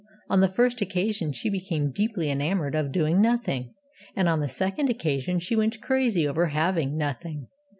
On the first occasion she became deeply enamoured of Doing Nothing, and on the second occasion she went crazy over Having Nothing.